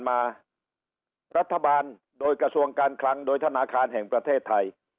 มารัฐบาลโดยกระทรวงการคลังโดยธนาคารแห่งประเทศไทย